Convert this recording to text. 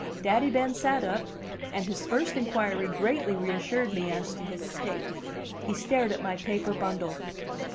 Daddy Ben sat up, and his first inquiry greatly reassured me as to his state. He stared at my paper bundle.